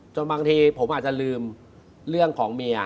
บางทีผมอาจจะลืมเรื่องของเมีย